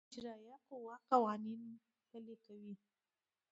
اجرائیه قوه قوانین پلي کوي